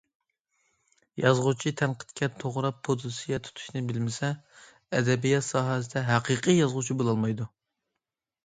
يازغۇچى تەنقىدكە توغرا پوزىتسىيە تۇتۇشنى بىلمىسە، ئەدەبىيات ساھەسىدە ھەقىقىي يازغۇچى بولالمايدۇ.